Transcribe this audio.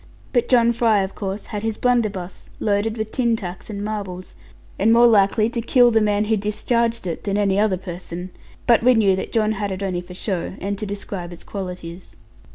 But John Fry, of course, had his blunderbuss, loaded with tin tacks and marbles, and more likely to kill the man who discharged it than any other person: but we knew that John had it only for show, and to describe its qualities.